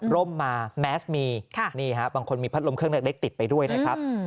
ร่มมาแมสมีบางคนมีพัดลมเครื่องเนื้อเล็กติดไปด้วยนะครับ